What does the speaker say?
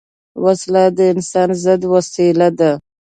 وسله د انسان ضد وسیله ده